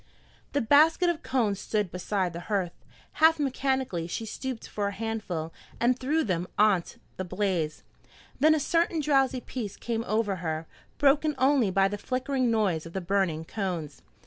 The basket of cones stood beside the hearth. Half mechanically she stooped for a handful, and threw them on the blaze. Then a certain drowsy peace came over her, broken only by the flickering noise of the burning cones.